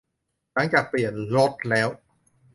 หลังจากเปลี่ยนรถแล้ว